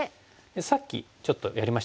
さっきちょっとやりましたよね